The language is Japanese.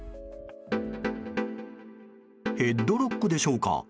ヘッドロックでしょうか。